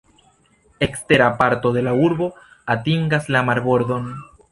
Ekstera parto de la urbo atingas la marbordon.